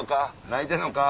泣いてんのか？